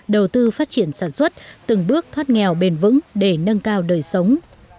đầu tư phát triển sản xuất từng bước thoát nghèo bền vững để nâng cao đời sống